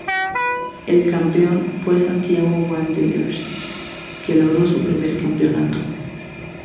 El campeón fue Santiago Wanderers que logró su primer campeonato.